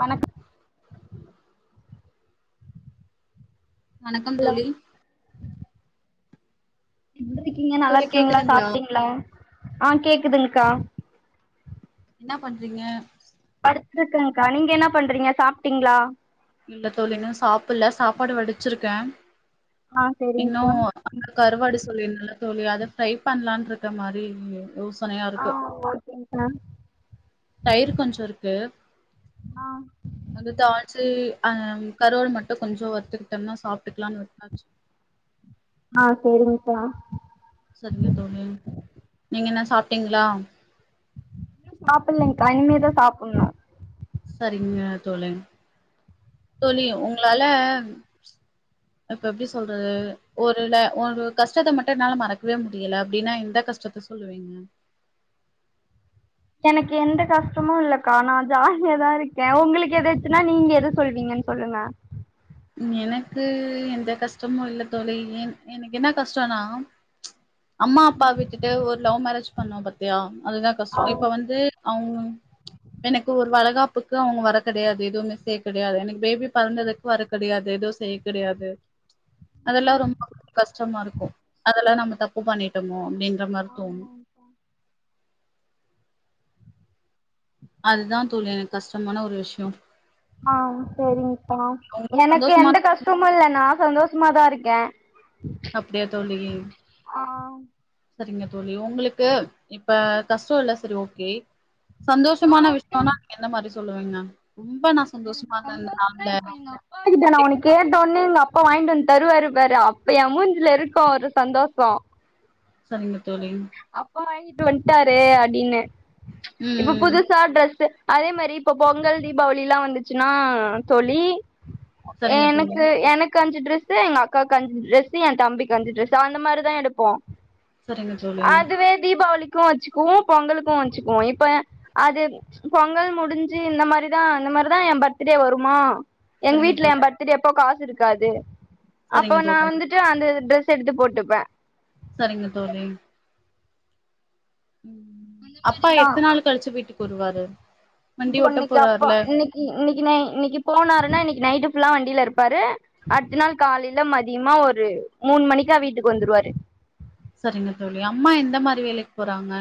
வணக்கோ வணக்கம் ஹலோ தோழி எப்டி இருக்கீங்க நல்லா தோழி இருக்கீங்களா கேக்குதுங்களா சாப்ட்டிங்களா ஆ கேக்குதுக்கா என்ன பண்றீங்க படுத்துருக்க கா நீங்க என்ன பண்றீங்க சாப்ட்டீங்களா இல்ல தோழி இன்னு சாப்பல்ல சாப்பாடு வடிச்சிருக்க ஆ இன்னு செரிங்க்கா அங்க கருவாடு சொல்லி இருந்தல்லா தோழி அத ட்ரை பண்லா இருக்க மாரி [unintelligible] ஆ ஓகேங்கா தயிர் கொஞ்சோ இருக்கு ஆ அடுத்த ஆச்சு அ கருவாடு மட்டு கொஞ்ச வறுத்துக்கிட்டன்னா சாப்ட்டுக்கலான்னு விட்டாச்சு ஆ சரிங்கப்பா சரிங்க தோழி நீங்க என்ன சாப்ட்டீங்களா சாப்பட்லங்கா இனிமே தா சாப்பட்னு சரிங்க தோழி தோழி உங்களால அப்ப எப்டி சொல்றது ஒருல ஒரு கஷ்டத்த மட்டு என்னால மறக்கவே முடியல அப்டின்னா எந்த கஷ்டத்த சொல்லுவீங்க எனக்கு எந்த கஷ்டமு இல்லக்கா நா ஜாலியாதா இருக்க உங்களுக்கு எதாச்சுன்னா நீங்க எது சொல்வீங்கன் சொல்லுங்க எனக்கு எந்த கஷ்டமு இல்ல தோழி எனக்கு என்ன கஷ்டனோ அம்மா அப்பா விட்டுட்டு ஒரு லவ் மேரேஜ் பண்ணோ பாத்தியா அதுதா கஷ்டோ இப்ப வந்து அவுங்க எனக்கு ஒரு வலகாப்புக்கு அவங்க வர கெடயாது எதுவுமே செய்ய கெடயாது எனக்கு பேபி பொறந்ததுக்கு வர கெடயாது எதூ செய்ய கெடயாது அதெல்லா ரொம்பொ கஷ்டமா இருக்கு அதெல்லா நம்ம தப்பு பண்ணிட்டோமோ அப்டின்ற மாரி தோணு அதுதா தோழி எனக்கு கஷ்டமான ஒரு விஷயோ ஆ சரிங்கா உங்களுக்கு எனக்கு சந்தோஷமான எந்த கஷ்டமு இல்ல நா சந்தோஷமாதா இருக்கே அப்டியா தோழி ஆ செரிங்க தோழி உங்களுக்கு இப்ப கஷ்டோ இல்ல சரி ஓகே சந்தோஷமான வி எந்த மாரி சொல்லுவீங்க ரொம்ப நா சந்தோஷமா இருந்த இந்த நாள்ல கிட்ட நான் அப்டி உனக்கு கேட்டோனே எங்க அப்பா வாங்கிட்டு வந்து தருவாரு பாரு அப்ப எ மூஞ்சில இருக்கு ஒரு சந்தோஷோ செரிங்க தோழி அப்பா வாங்கிட்டு வன்ட்டாரு அப்டின்னு இப்ப ம் புதுசா ட்ரெஸ்ஸு அதே மாரி இப்ப பொங்கல் தீபாவளில்லா வந்துச்சுன்னா தோழி சரிங்க தோழி எனக்கு எனக் க்கு அஞ்சு டிரஸ்ஸு எங்க அக்கா அஞ்சு டிரஸ்ஸு ஏ தம்பிக்கு அஞ்ச டிரஸ்ஸு அந்த மாரிதா எடுப்போ சரிங்க தோழி அதுவே தீபாவளிக்கு வச்சுக்குவோ பொங்கலுக்கு வச்சுக்குவோ இப்ப அது பொங்கல் முடிஞ்சு இந்த மாரிதா அந்த மாரிதா ஏ பர்த்டே வருமா எங்க சரிங்க வீட்ல தோழி என் பர்த்டே அப்போ காசு இருக்காது அப்போ சரிங்க நா தோழி வந்துட் டு அந்த டிரெஸ் எடுத்து போட்டுப்ப சரிங்க தோழி அந்த அப்பா மாரிதா எத்தன் நாள் கழிச்சு வீட்டுக்கு வருவாரு வண்டி ஓட்ட போறாருல இ இன்னைக்கு நை இன்னைக்கு போனாருன்னா இன்னைக்கு நைட்டு் ஃபுல்லா வண்டியில இருப்பாரு அடுத்த நாள் காலையில மதியமா ஒரு மூணு மணிக்கா வீட்டுக்கு வந்துருவாரு செரிங்க தோழி அம்மா எந்த மாரி வேலைக்கு போறாங்க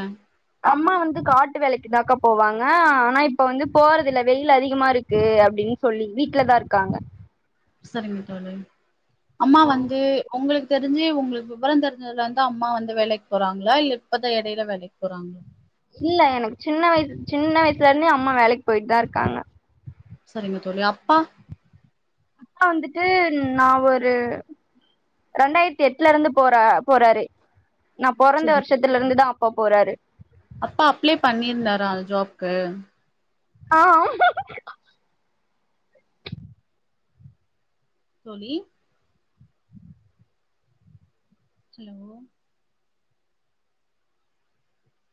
அம்மா வந்து காட்டு வேலைக்குதாக்கா போவாங்க ஆனா இப்ப வந்து போறதுல்ல வெயில் அதிகமா இருக்கு அப்டின்னு சொல்லி வீட்ல தா இருக்காங்க சரிங்க தோழி அம்மா வந்து உங்களுக் தெரிஞ்சு உங்களுக்கு விவர தெரிஞ்சதுலந்து அம்மா வந்து வேலைக்கு போறாங்களா இல்ல இப்பதா எடையில வேலைக்கு போறாங்களா இல்ல எனக்கு சின்ன வயசு சின்ன வயசுலேருந்தே அம்மா வேலைக்கு போயிட்டு தா இருக்காங்க சரிங்க தோழி அப்பா அப்பா வந்துட்டு நா ஒரு ரெண்டாயிரத்து எட்லருந்து போற போறாரு நா பொறந்த சரிங்க வருஷத்துலருந்துதா அப்பா போறாரு அப்பா அப்ளை பண்ணியிருந்தாரா அந் ஜாப்க்கு ஆ தோழி சீமு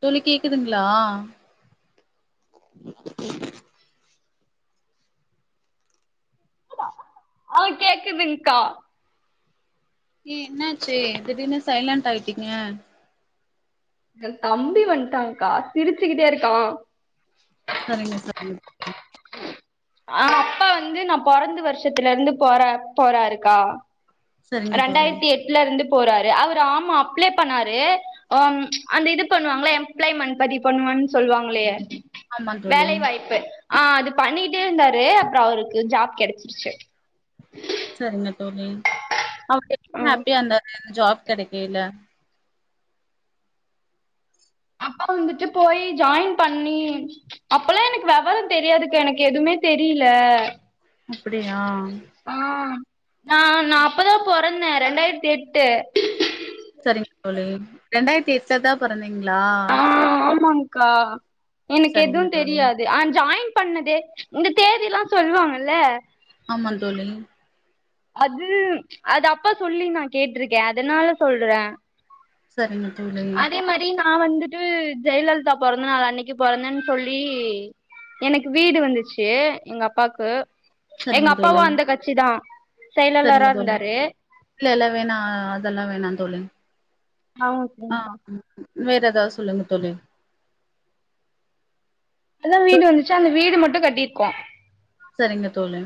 தோழி கேக்குதுங்களா [unintelligible] ஆ கேக்குதுங்க்கா ஏ என்னாச்சு திடீர்னு சைலண்ட்டாய்ட்டிங்க ஏ தம்பி வந்ட்டான்க்கா சிரிச்சிக்கிட்டே இருக்கா சரிங்க தோழி ஆ அப்பா வந்து நா பொறந்து வருஷத்துலருந்து போற போறாருக்கா சரிங்க தோழி ரெண்டாயிரத்தி எட்லருந்து போறாரு அவரு ஆமா அப்ளை பண்ணாரு ஆம் அந்த இது பண்ணுவாங்களே எம்ப்ளாய்மெண்ட் பதிவு பண்ணுவன் சொல்வாங்களே ஆமா தோழி வேலை வாய்ப்பு ஆ அது பண்ணிட்டே இருந்தாரு அப்புற அவருக்கு ஜாப் கெடைச்சிடுச்சு சரிங்க தோழி அவுங்க ஆ எப்டி ஹாப்பியா இருந்தாரு ஜாப் கெடைக்கையில அப்பா வந்துட்டு போய் ஜாயின் பண்ணி அப்பல்லா எனக்கு வெவர தெரியாதுக்கா எனக்கு எதுவுமே தெரியல அப்படியா ஆ நா நா அப்பதா பொறந்தே ரெண்டாயிரத்தி எட்டு சரிங்க தோழி ரெண்டாயிரத்தி எட்ல தா பொறந்தீங்களா ஆ ஆமாங்க்கா எனக்கு எதுவு சரிங்க தோழி தெரியாது ஆனா ஜாயின் பண்ணது இந்த தேதி எல்லா சொல்லுவாங்கல்ல ஆமாந்தோழி அது அது அப்பா சொல்லி நா கேட்ருக்கே அதனால சொல்ற சரிங்க தோழி அதே மாரி நா வந்துட்டு ஜெயலலிதா பொறந்த நாள் அன்னைக்கு பொறந்தேன்னு சொல்லி எனக்கு வீடு வந்துச்சு எங்க அப்பாக்கு எங்க சரிங்க அப்பாவு தோழி அந்த கட்சி தா செயலாளரா இருந்தாரு இல்லல்ல வேணா அதெல்லா வேணா தோழி ஆமா ஆ சரிங்க்கா அம் ம் வேற ஏதாவது சொல்லுங்க தோழி அதா தோ வீடு வந்துச்சி அந்த மட்டு கட்டிருக்கோ சரிங்க தோழி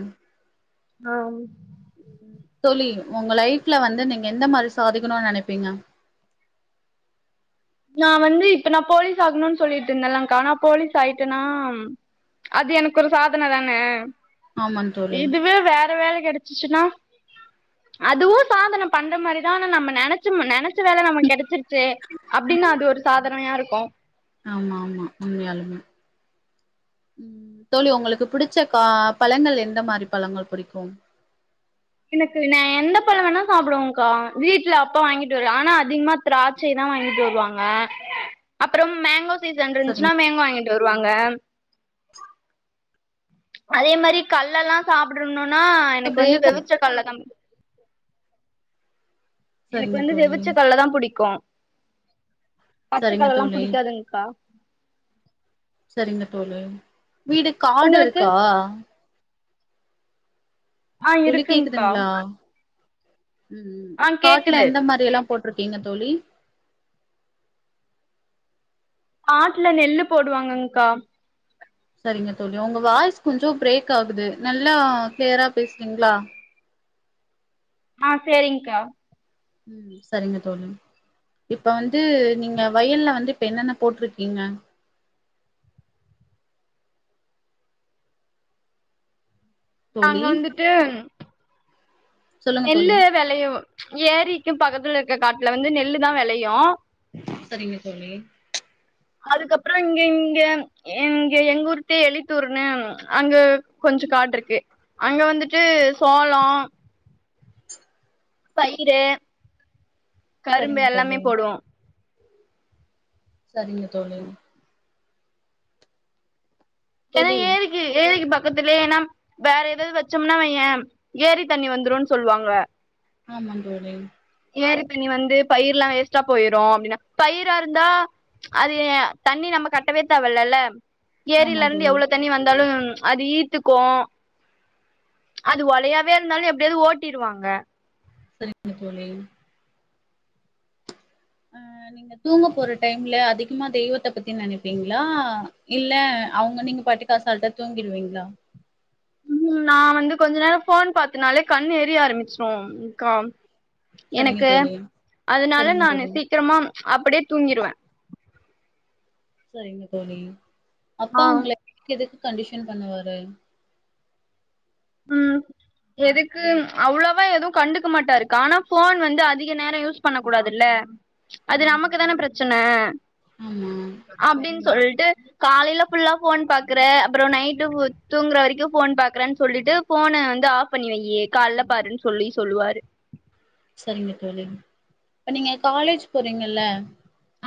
ஆம் தோழி உங்க லைஃப்ல வந்து நீங்க எந்த மாரி சாதிக்கணும்னு நனைப்பீங்க நா வந்து இப்ப நா போலீஸ் ஆகணுன்னு சொல்லிட்டு இருந்தலாக்கா ஆனா போலீஸ் ஆயிட்டனா ம் அது எனக்கு ஒரு சாதன தான ஆமாங் தோழி இதுவே வேற வேலை கெடை சிச்சிட்னா அதுவு சாதன பண்ற மாதிரிதா நம்ம நினைச்சம் நினைச்ச வேல நம்ம கெடைச்சிருச்சே அப்டின்னா அது ஒரு சாதனையா இருக்கு ஆமா ஆமா உண்மையாளுமே உம் தோழி உங்களுக்கு புடிச்ச கா பழங்கள் எந்த மாதிரி பழங்கள் புடிக்கு எனக்கு ந எந்த பழ வேணா சாப்டுவக்கா வீட்ல அப்பா வாங்கிட்டு வரு ஆனா அதிகமா திராட்சை தா வாங்கிட்டு வருவாங்க அபாரோம் மேங்கோஸ் சீசன் அன்றுருச்சின்னா சரிங்க மேங்கோ வாங்கிட்டு வருவாங்க அதே மாதிரி கல்லெல்லா சாப்புடுணுனா எனக்கு வந்து பிரேக் வெவுச்ச கல்லதா பிடிக் எனக்கு சரிங்க வந்து தோழி வெவிச்ச கல்லதா புடிக்கு சரிங்க பச்சக்கல்லல்லா தோழி புடிக்காதுங்கா சரிங்க தோழி வீடு காடு உங்களுக்கு இருக்கா ஆ தோழி இருக்குங்க்கா கேக்குதுங்ளா உம் ஆ காட்ல கேக்குது எந்த மாதிரி எல்லா போட்டிருக்கீங்க தோழி ஆட்டுல நெல்லு போடுவாங்கக்கா சரிங்க தோழி உங்க வாய்ஸ் கொஞ்சோ பிரேக் ஆகுது நல்லா கிளியரா பேசுவிங்ளா ஆ சேரிங்க்கா உம் சரிங்க தோழி இப்போ வந்து நீங்க வயல்ல வந்து இப்போ என்னென்ன போட்டருக்கீங்க நாங்க தோழி வந்துட்டு சொல்லுங்க தோழி நெல்லு விளைவு ஏரிக்கு பக்கத்துல இருக்க காட்ல வந்து நெல்லு தா வெளையு சரிங்க தோழி அதுக்கப்ரோ இங்க இங்க எங்கே எங்க ஊருட்டு எழுத்தூரன அங்கு கொஞ்சோ காட் இருக்கு அங்க வந்துட்டு சோளோ பயிரு கரும்பு சரிங்க எல்லாமே தோழி போடுவோ சரிங்க தோழி ஏனா தோழி ஏரிக்கி ஏரிக்கி பக்கத்திலயே ஏனாம் வேற எதாது வச்சோம்னா வைய ஏரி தண்ணி வந்துருன்னு சொல்லுவாங்க ஆமாம் தோழி ஏரி தண்ணி வந்து பயிர்லா வேஸ்ட்டா போயிட அப்டின்னா பயிரா இருந்தா அது தண்ணி நம்ம கட்டவே தேவ இல்லல்ல ஆமா ஏரிலருந்து தோழி எவ்ளோ தண்ணி வந்தாலு அது ஈத்துக்கு அது ஒலையாவே இருந்தாலு எப்டியாவது ஓட்டிடுவாங்க சரிங்க தோழி ஆ நீங் தூங்க போற டைம்ல அதிகமா தெய்வத்த பத்தி நெனைப்பீங்களா இல்ல அவுங்க நீங்க பாட்டுக் அசால்டா தூங்கிடுவீங்ளா உம் நா வந்து கொஞ்ச நேரோம் ஃபோன் பாத்தனாலே கண் எரிய ஆரம்பிச்சிரோம்கா சரிங்க எனக்கு தோழி அதுனால சரிங்க நானு தோழி சீக்கிரமா அப்டியே தூங்கிருவேன் சரிங்க தோழி ஆ அப்பா உங்கள எதுக்கு கண்டிஷன் பண்ணுவாரு ம் எதுக்கு அவ்ளவா எதுவு கண்டுக்க மாட்டாருக்கா ஆனா ஃபோன் வந்து அதிக நேரோம் யூஸ் பண்ண கூடாதுல்ல அது ஆமா தோழி நமக்குதான பிரச்சன ஆமா அப்டின்னு சொல்ட்டு காலையில ஃபுல்லா ஃபோன் பாக்குறே அப்றோம் நைட்டு தூங்குற வரைக்கும் ஃபோன் பாக்குறேன்னு சொல்லிட்டு ஃபோன வந்து ஆஃப் பண்ணி வைய் கால்ல பாருன்னு சொல்லி சொல்லுவாரு சரிங்க தோழி இப்ப நீங்க காலேஜ் போறீங்கல்ல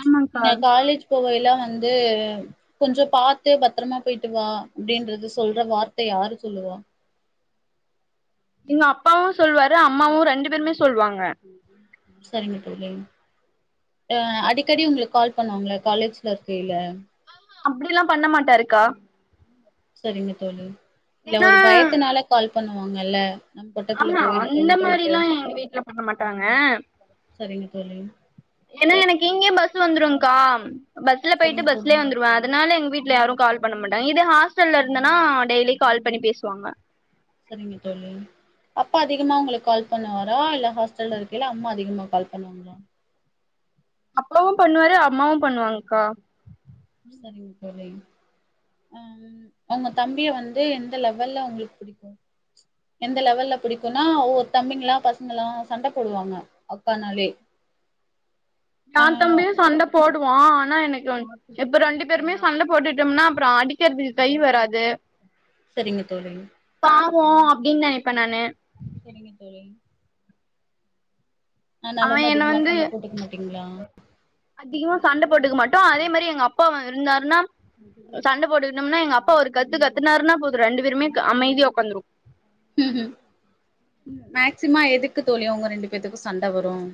ஆமாக்கா நீங்க காலேஜ் போகையில வந்து கொஞ்சோ பாத்து பத்திரமா போயிட்டு வா அப்டின்றது சொல்ற வார்த்தை யாரு சொல்லுவா எங்க அப்பாவும் சொல்லுவாரு அம்மாவும் ரெண்டு பேருமே சொல்லுவாங்க சரிங்க தோழி அ அடிக்கடி உங்களுக்கு கால் பண்ணுவாங்களா காலேஜ்ல இருக்கைல அப்டில்லா பண்ண மாட்டாருக்கா சரிங்க தோழி இல்ல ஏன்னா ஒரு பயத்னால கால் பண்ணுவாங்கல்ல நம்ம கொட்டக்குள்ள ஆமா போயிருக்க இந்த வீட்ட விட்டு மாரில்லாம் எங்க வீட்ல பண்ண மாட்டாங்க சரிங்க தோழி ஏனா எனக்கு இங்கயே பஸ் வந்துரும்கா பஸ்ல சரிங்க போயிட்டு தோழி பஸ்லயே வந்துருவே அதனால எங்க வீட்ல யாரும் கால் பண்ண மாட்டாங்க இது ஹாஸ்டல்ல இருந்தன்னா டெய்லி கால் பண்ணி பேசுவாங்க சரிங்க தோழி அப்பா அதிகமா உங்களுக்கு கால் பண்ணுவாரா இல்ல ஹாஸ்டல்ல இருக்கைல அம்மா அதிகமா கால் பண்ணுவாங்களா அப்பாவு பண்ணுவாரு அம்மாவு பண்ணுவாங்க்கா சரிங்க தோழி உம் உங்க தம்பிய வந்து எந்த லெவல்ல உங்களுக்கு புடிக்கும் எந்த லெவல்ல புடிக்குன்னா ஒவ்வொரு தம்பிங்களா பசங்கல்லா சண்ட போடுவாங்க அக்கானாலே ஆ நான் தம்பியும் சண்ட போடுவோ ஆனா எனக்கு இப்ப ரெண்டு பேருமே சண்டை போட்டுட்டோம்னா அப்றோ அடிக்கிறதுக்கு கை வராது சரிங்க தோழி பாவோ அப்டின்னு நெனைப்பே நானு செரிங்க தோழி அதனால அவ தா என்ன அதிகமா வந்து சண்ட போட்டுக்க மாட்டீங்களா அதிகமா சண்ட போட்டுக்க மாட்டோம் அதே மாரி எங்க அப்பா இருந்தாருன்னா சண்ட போட்டுக்கணோம்னா எங்க அப்பா ஒரு கத்து கத்துனாருன்னா போது ரெண்டு பேருமே அமைதியா உக்காந்துருவோ உம் மேக்சிமா எதுக்கு தோழி உங்க ரெண்டு பேத்துக்கும் சண்ட வரும்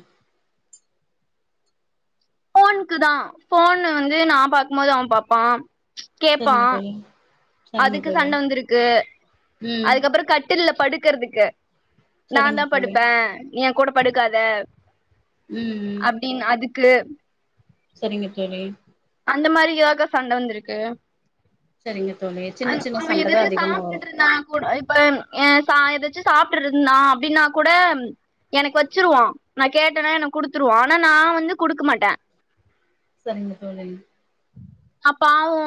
ஃபோனுக்கு தா ஃபோன் வந்து நா பாக்கும்போது அவே பாப்பா கேப்பா செரிங்க தோழி சரிங்க அதுக்கு தோழி சண்ட வந்திருக்கு ம் அதுக்கப்புறோம் கட்டில்ல படுக்கறதுக்கு நா சரிங்க தா தோழி படுப்பே நீ எ கூட படுக்காத உம் உம் அப்டின்னு அதுக்கு சரிங்க தோழி அந்த மாரி [unintelligible] சண்ட வந்திருக்கு சரிங்க தோழி அவ சின்ன சின்ன அவே சண்டதா எதாது அதிகமா வரு சாப்ட்டுட்ருந்தா கூட இப்ப என் ஏ சா எதாச்சு சாப்ட்டுருந்தா அப்டின்னா கூட எனக்கு வச்சிருவா நா கேட்டேனா எனக் குடுத்துருவா ஆனா நா வந்து குடுக்க மாட்ட சரிங்க தோழி அப்பாவு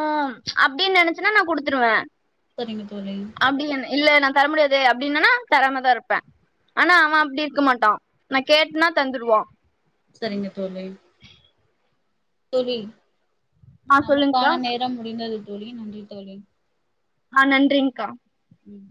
அப்டின் நெனச்சன்னா நா குடுத்துருவ சரிங்க தோழி அப்டி ஒன்னு இல்ல நா தர முடியாது அப்டின்னனா தராமதா இருப்ப ஆனா அவ அப்டி இருக்க மாட்டா நா கேட்னா தந்துருவா சரிங்க தோழி தோழி ஆ சொல்லுங்க்கா நமக்கான நேரம் முடிந்தது தோழி நன்றி தோழி ஆ நன்றிங்கா ம்